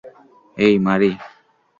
এই, মারি!